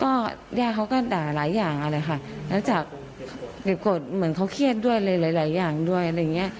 ก็ย่าเขาก็ด่าหลายอย่างเลยค่ะแล้วจากเด็กโกรธเหมือนเขาเครียดด้วยหลายหลายอย่างด้วยอะไรอย่างเงี้ย